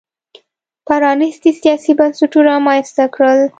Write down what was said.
پرانیستي سیاسي بنسټونه رامنځته کړل.